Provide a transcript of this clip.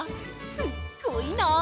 すっごいなあ！